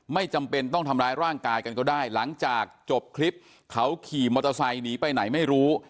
ไม่จำเป็นต้องทำร้ายร่างกายกันก็ได้หลังจากจบคลิปเขาขี่มอเตอร์ไซค์หนีไปไหนไม่รู้